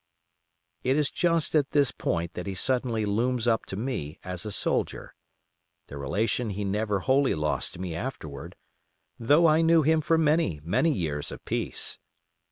It is just at this point that he suddenly looms up to me as a soldier; the relation he never wholly lost to me afterward, though I knew him for many, many years of peace.